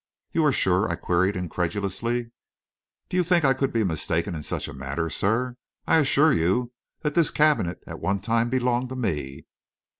"You are sure?" I queried incredulously. "Do you think I could be mistaken in such a matter, sir? I assure you that this cabinet at one time belonged to me.